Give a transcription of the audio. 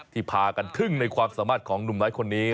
พากันทึ่งในความสามารถของหนุ่มน้อยคนนี้